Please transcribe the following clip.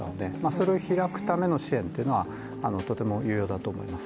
それを開くための支援というのは必要だと思います。